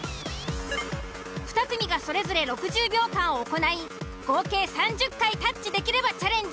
２組がそれぞれ６０秒間行い合計３０回タッチできればチャレンジ